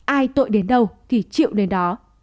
ai tội đến đâu thì chịu đến đó